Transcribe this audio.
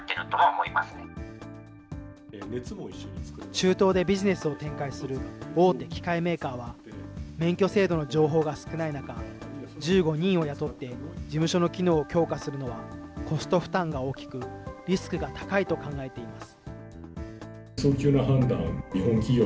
中東でビジネスを展開する大手機械メーカーは、免許制度の情報が少ない中、１５人を雇って事務所の機能を強化するのはコスト負担が大きく、リスクが高いと考えています。